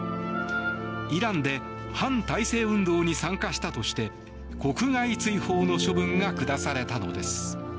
イランで反体制運動に参加したとして国外追放の処分が下されたのです。